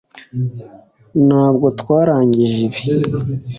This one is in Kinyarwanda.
Ntabwo twarangije ibi